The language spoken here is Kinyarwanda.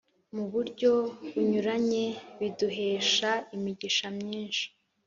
mu buryo bunyuranye biduhesha imigisha myinshi